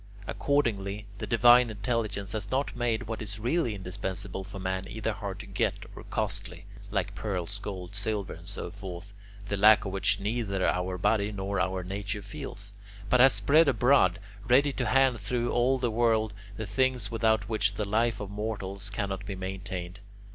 Accordingly the divine intelligence has not made what is really indispensable for man either hard to get or costly, like pearls, gold, silver, and so forth, the lack of which neither our body nor our nature feels, but has spread abroad, ready to hand through all the world, the things without which the life of mortals cannot be maintained.